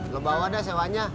lo bawa deh sewanya